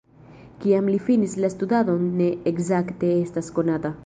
Kiam li finis la studadon ne ekzakte estas konata.